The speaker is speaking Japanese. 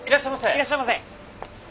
いらっしゃいませ！